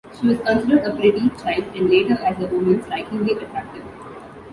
She was considered a pretty child and later, as a woman, strikingly attractive.